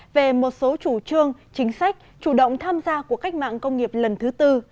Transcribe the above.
về một số chủ trương chính sách chủ động tham gia của cách mạng công nghiệp lần thứ tư